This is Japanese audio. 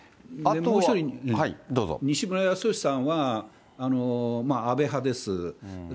もう１人、西村康稔さんは安倍派です。